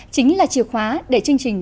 chính là chìa khóa để chương trình